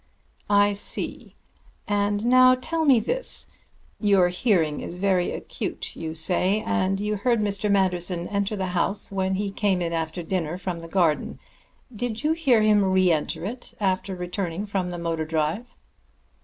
"I see. And now tell me this. Your hearing is very acute, you say, and you heard Mr. Manderson enter the house when he came in after dinner from the garden. Did you hear him re enter it after returning from the motor drive?"